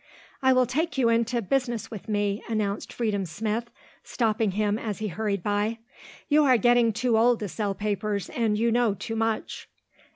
"I will take you into business with me," announced Freedom Smith, stopping him as he hurried by. "You are getting too old to sell papers and you know too much."